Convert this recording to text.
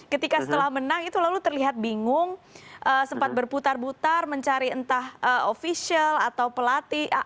ketika setelah menang itu lalu terlihat bingung sempat berputar putar mencari entah official atau pelatih